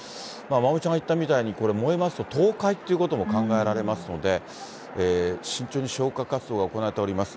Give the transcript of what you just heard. まおみちゃんが言ったみたいに、燃えますと倒壊ってことも考えられますので、慎重に消火活動が行われております。